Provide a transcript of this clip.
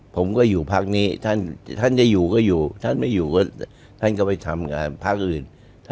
ผมก็อยู่พักนี้ท่านจะอยู่ก็อยู่ท่านไม่อยู่ก็ท่านก็ไปทำงานพักอื่น